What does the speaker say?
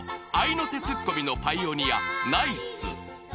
［合いの手ツッコミのパイオニアナイツ］